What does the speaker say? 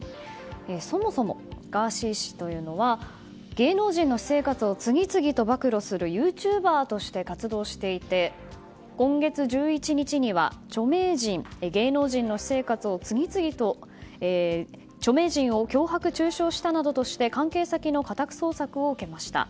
そもそもガーシー氏というのは芸能人の私生活を次々と暴露するユーチューバーとして活動していて、今月１１日には著名人を脅迫・中傷したなどとして関係先の家宅捜索を受けました。